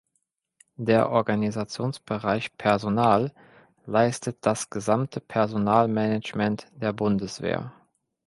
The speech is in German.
Der Organisationsbereich Personal leistet das gesamte Personalmanagement der Bundeswehr.